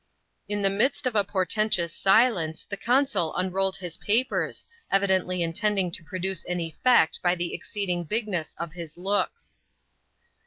Li the midst of a portentous silence, the consul unrolled his capers, evidently intending to produce an effect by the exceed Qg bigness of his looks.